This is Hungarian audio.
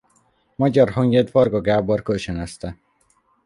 Magyar hangját Varga Gábor kölcsönözte.